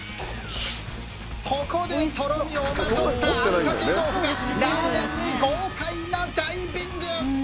ここでとろみをまとったあんかけ豆腐がラーメンに豪快なダイビング！